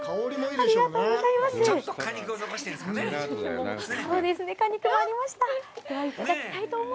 ありがとうございます。